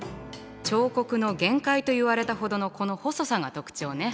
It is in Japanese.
彫刻の限界といわれたほどのこの細さが特徴ね。